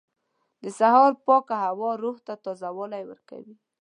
• د سهار پاکه هوا روح ته تازهوالی ورکوي.